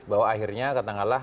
bahwa akhirnya katakanlah